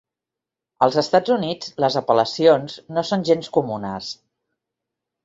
Als Estats Units, les apel·lacions no són gens comunes.